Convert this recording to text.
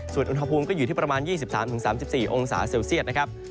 ส่วนอุณหภูมิก็อยู่ที่ประมาณ๒๓๓๔องศาเซลเซียตนะครับ